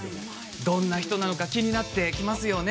どんな人なのか気になってきますよね。